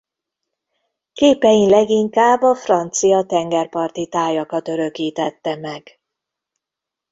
Képein leginkább a francia tengerparti tájakat örökítette meg.